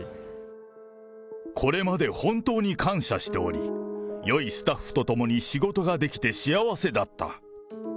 これまで本当に感謝しており、よいスタッフと共に仕事ができて幸せだった。